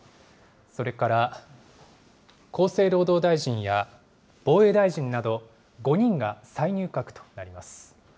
それから厚生労働大臣や防衛大臣など、５人が再入閣となります。